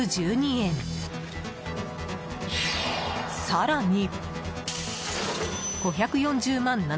更に。